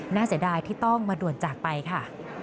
เสียดายที่ต้องมาด่วนจากไปค่ะ